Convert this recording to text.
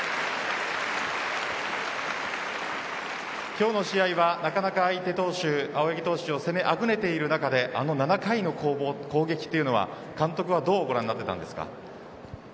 今日の試合はなかなか相手投手青柳投手を攻めあぐねている中で７回の攻撃というのは、監督はどうご覧になったんですか？